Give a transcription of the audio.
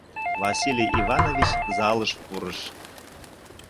Василий Иванович залыш пурыш.